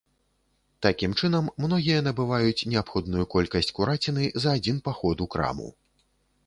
Такім чынам многія набываюць неабходную колькасць кураціны за адзін паход у краму.